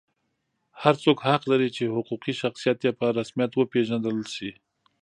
هر څوک حق لري چې حقوقي شخصیت یې په رسمیت وپېژندل شي.